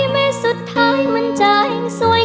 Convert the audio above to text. แม้สุดท้ายมันจะแห่งสวย